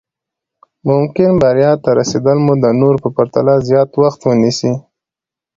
ممکن بريا ته رسېدل مو د نورو په پرتله زیات وخت ونيسي.